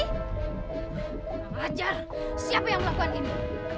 tidak wajar siapa yang melakukan ini